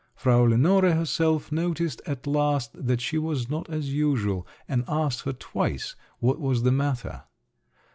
Frau Lenore herself noticed at last, that she was not as usual, and asked her twice what was the matter.